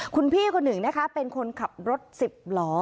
คุณพี่คนหนึ่งนะคะเป็นคนขับรถสิบล้อ